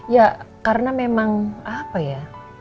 ya karena memang apa ya